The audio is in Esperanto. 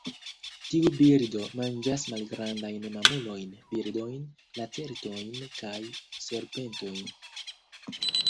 Tiu birdo manĝas malgrandajn mamulojn, birdojn, lacertojn kaj serpentojn.